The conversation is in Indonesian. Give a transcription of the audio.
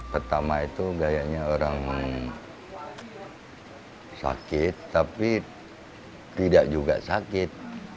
pertama itu gayanya orang sakit tapi tidak juga sakit